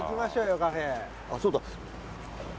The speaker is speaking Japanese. あっそうだ。